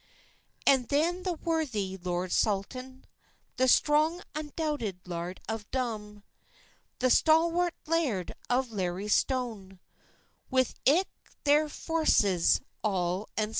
And then the worthy Lord Salton, The strong undoubted Laird of Drum, The stalwart Laird of Lawristone, With ilk thair forces all and sum.